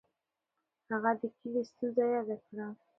هغه د کلي ستونزه یاده کړه.